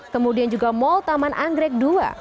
kemudian juga mall taman anggrek dua